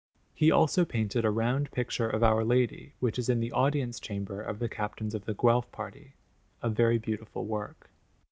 He also painted a round picture of Our Lady, which is in the Audience Chamber of the Captains of the Guelph party a very beautiful work.